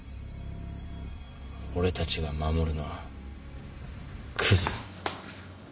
俺たちが守るのはくず。